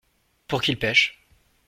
Pour qu’ils pêchent.